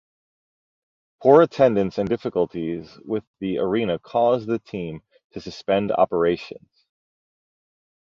Poor attendance and difficulties with the arena caused the team to suspend operations.